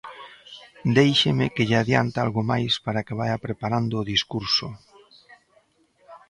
Déixeme que lle adiante algo máis para que vaia preparando o discurso.